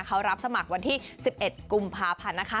เขารับสมัครวันที่๑๑กุมภาพันธ์นะคะ